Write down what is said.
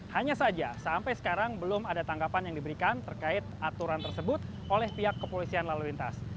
hanya saja sampai sekarang belum ada tanggapan yang diberikan terkait aturan tersebut oleh pihak kepolisian lalu lintas